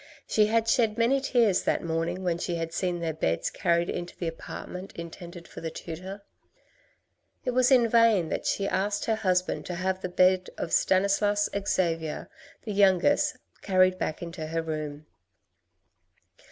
She had shed many tears that morning, when she had seen their beds carried into the apartment intended for the tutor. It was in vain that she asked her husband to have the bed of Stanislas Xavier, the youngest, carried back into her room.